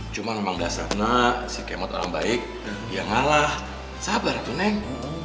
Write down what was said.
cuma memang dasar nah si kemot orang baik ya ngalah sabar tuh neng